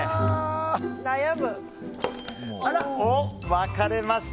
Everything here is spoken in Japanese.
分かれました。